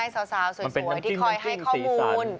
สาวสวยที่คอยให้ข้อมูล